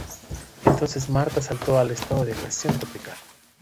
Entonces Martha saltó el estado de depresión tropical.